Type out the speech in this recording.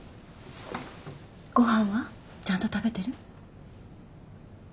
ごはんはちゃんと食べてる？